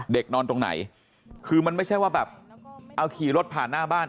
นอนตรงไหนคือมันไม่ใช่ว่าแบบเอาขี่รถผ่านหน้าบ้าน